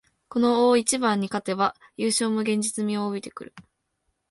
この大一番に勝てば優勝も現実味を帯びてくる